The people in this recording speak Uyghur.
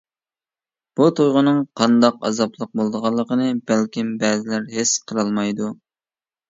بۇ تۇيغۇنىڭ قانداق ئازابلىق بولىدىغانلىقىنى بەلكىم بەزىلەر ھېس قىلالمايدۇ.